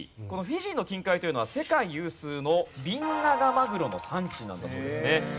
このフィジーの近海というのは世界有数のビンナガマグロの産地なんだそうですね。